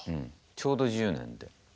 ちょうど１０年で。